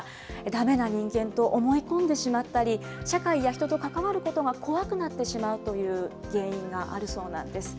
だめな人間と思い込んでしまったり、社会や人と関わることが怖くなってしまうという原因があるそうなんです。